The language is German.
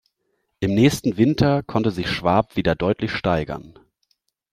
Im nächsten Winter konnte sich Schwab wieder deutlich steigern.